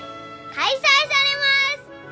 開催されます！